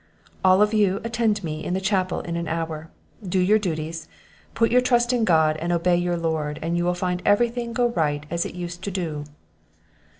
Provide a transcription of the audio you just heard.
All of you attend me in the chapel in an hour; do your duties, put your trust in God, and obey your Lord, and you will find every thing go right as it used to do."